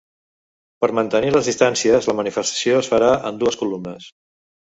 Per mantenir les distàncies, la manifestació es farà en dues columnes.